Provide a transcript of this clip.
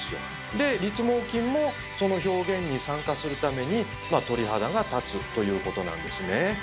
で立毛筋もその表現に参加するために鳥肌が立つということなんですね。